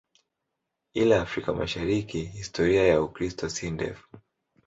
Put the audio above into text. Ila Afrika Mashariki historia ya Ukristo si ndefu.